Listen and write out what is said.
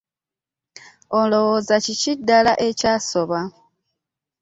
Olowooza kiki ddala ekyasoba?